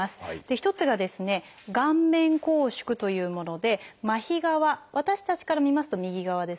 一つが「顔面拘縮」というもので麻痺側私たちから見ますと右側ですね。